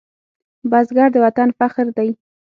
بزګر د وطن فخر دی